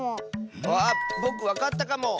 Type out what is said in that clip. あっぼくわかったかも！